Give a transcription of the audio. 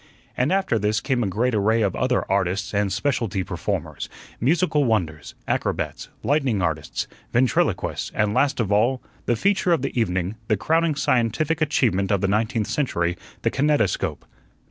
And after this came a great array of other "artists" and "specialty performers," musical wonders, acrobats, lightning artists, ventriloquists, and last of all, "The feature of the evening, the crowning scientific achievement of the nineteenth century, the kinetoscope."